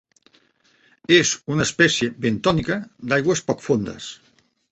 És una espècie bentònica d'aigües poc fondes.